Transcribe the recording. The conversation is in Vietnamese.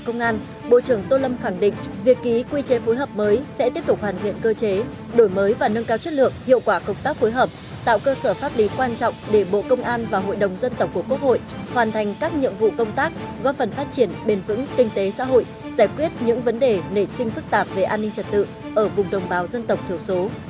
nhân dịp phối hợp mới sẽ tiếp tục hoàn thiện cơ chế đổi mới và nâng cao chất lượng hiệu quả công tác phối hợp tạo cơ sở pháp lý quan trọng để bộ công an và hội đồng dân tộc của quốc hội hoàn thành các nhiệm vụ công tác góp phần phát triển bền vững kinh tế xã hội giải quyết những vấn đề nể sinh phức tạp về an ninh trật tự ở vùng đồng bào dân tộc thiểu số